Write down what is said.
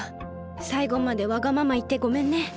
さいごまでわがままいってごめんね。